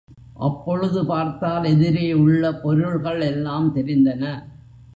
அப்பொழுது பார்த்தால் எதிரே உள்ள பொருள்கள் எல்லாம் தெரிந்தன.